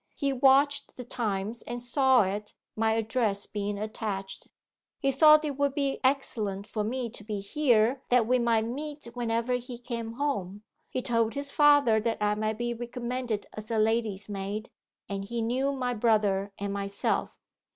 'He watched the Times, and saw it, my address being attached. 'He thought it would be excellent for me to be here that we might meet whenever he came home. 'He told his father that I might be recommended as a lady's maid; and he knew my brother and myself.